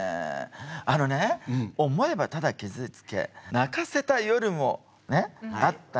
あのね想えばただ傷つけ泣かせた夜もねあったね